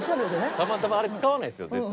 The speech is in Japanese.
たまたまあれ使わないですよ絶対